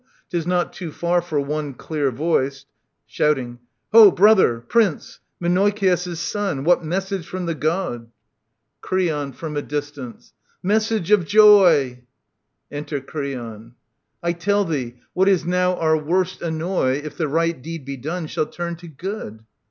— *Tis not too far for one Clear voiced. {Shouting) Ho, brother I Prince ! Menoikeus* son, What message from the God ? VT. 87 99 OEDIPUS, KING OF THEBES Creon {Jrom a distance). Message of joy I Enter Creon I tell thee, what is now our worst annoy, If the right deed be done, shall turn to good.